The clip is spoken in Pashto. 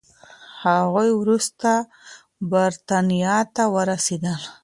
هغوی وروسته بریتانیا ته ورسېدل.